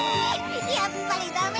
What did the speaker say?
やっぱりダメだ！